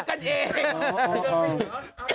เจอกันเอง